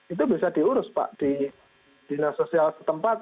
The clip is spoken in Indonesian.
itu bisa diurus pak di dinas sosial setempat